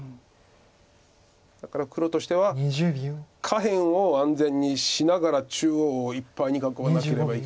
だから黒としては下辺を安全にしながら中央をいっぱいに囲わなければいけないという。